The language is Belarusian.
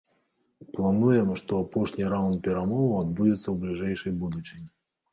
Плануем, што апошні раўнд перамоваў адбудзецца ў бліжэйшай будучыні.